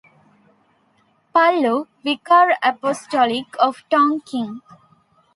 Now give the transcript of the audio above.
Pallu, Vicar Apostolic of Tong King.